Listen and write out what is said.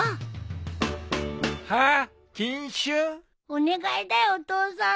お願いだよお父さん。